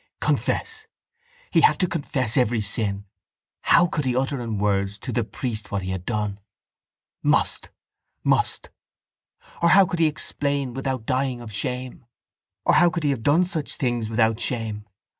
Confess! He had to confess every sin. How could he utter in words to the priest what he had done? Must, must. Or how could he explain without dying of shame? Or how could he have done such things without shame?